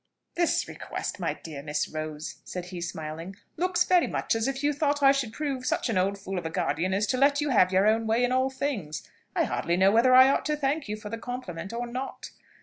"This request, my dear Miss Rose," said he, smiling, "looks very much as if you thought I should prove such an old fool of a guardian as to let you have your own way in all things. I hardly know whether I ought to thank you for the compliment or not.